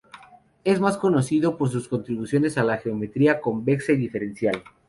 Es más conocido por sus contribuciones a la geometría convexa y diferencial.